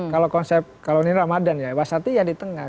kalau konsep kalau ini ramadan ya wasati ya di tengah